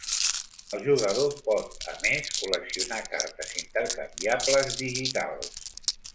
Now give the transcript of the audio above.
El jugador pot, a més, col·leccionar cartes intercanviables digitals.